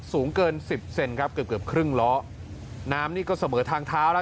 สูงเกินสิบเซนครับเกือบเกือบครึ่งล้อน้ำนี่ก็เสมอทางเท้าแล้ว